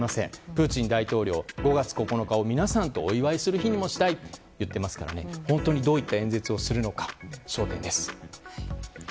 プーチン大統領、５月９日を皆さんとお祝いする日にもしたいと言っていますから本当にどういった演説をするのか焦点です。